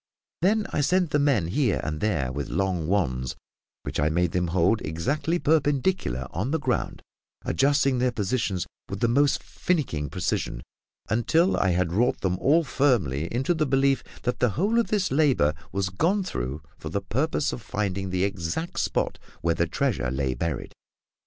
Then I sent men here and there with long wands, which I made them hold exactly perpendicular on the ground, adjusting their positions with the most finicking precision, until I had wrought them all firmly into the belief that the whole of this labour was gone through for the purpose of finding the exact spot where the treasure lay buried.